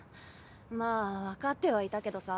まあ分かってはいたけどさ。